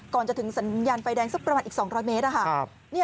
ก่อนจะถึงสัญญาณไฟแดงสักประมาณอีก๒๐๐เมตร